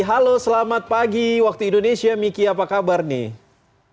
halo selamat pagi waktu indonesia miki apa kabar nih